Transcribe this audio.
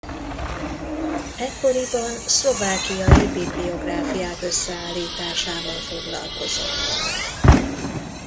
Ekkoriban szlovákiai bibliográfiák összeállításával foglalkozott.